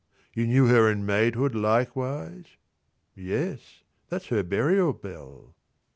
You knew her in maidhood likewise?—Yes, That's her burial bell.